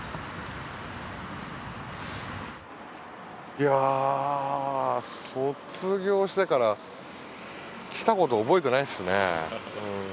いや卒業してから来たことを覚えていないですね。